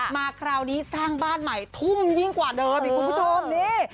มาคราวนี้สร้างบ้านใหม่ทุ่มยิ่งกว่าเดิมอีกคุณผู้ชมนี่